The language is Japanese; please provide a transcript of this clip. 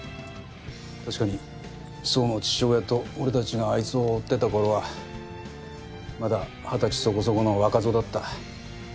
確かに奏の父親と俺たちがあいつを追ってたころはまだ二十歳そこそこの若造だった。